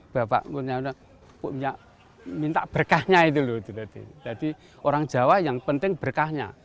bapak punya minta berkahnya itu loh jadi orang jawa yang penting berkahnya